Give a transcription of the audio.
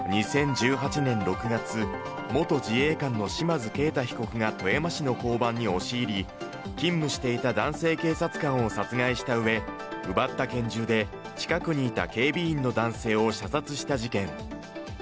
２０１８年６月、元自衛官の島津慧大被告が富山市の交番に押し入り、勤務していた男性警察官を殺害したうえ、奪った拳銃で近くにいた警備員の男性を射殺した事件。